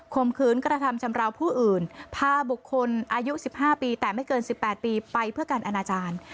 มขืนกระทำชำราวผู้อื่นพาบุคคลอายุ๑๕ปีแต่ไม่เกิน๑๘ปีไปเพื่อการอนาจารย์